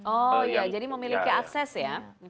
oh ya jadi memiliki akses ya